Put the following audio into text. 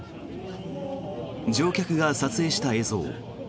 乗客が撮影した映像。